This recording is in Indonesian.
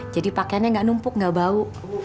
jadi pakaiannya ga numpuk ga bau